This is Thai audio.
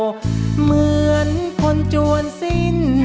เหมือนคนจวนสิ้น